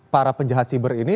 para penjahat siber ini